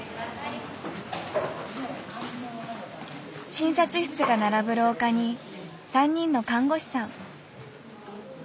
診察室が並ぶ廊下に３人の看護師さん。